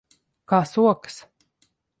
Kā sokas?